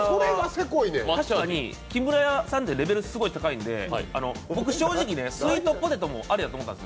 確かに木村屋さんって本当にレベルが高いんで、スイートポテトもありだと思ったんです。